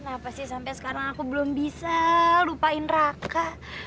kenapa sih sampai sekarang aku belum bisa lupain raka